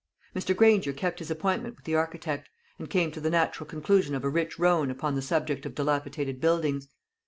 Mr. Granger kept his appointment with the architect, and came to the natural conclusion of a rich roan upon the subject of dilapidated buildings.